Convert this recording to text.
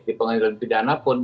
di pengadilan pidana pun